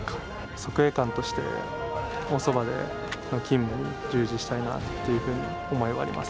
側衛官として、おそばでの勤務に従事したいなっていうふうに思いはあります。